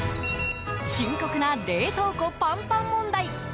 深刻な冷凍庫パンパン問題。